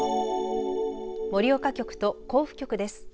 盛岡局と甲府局です。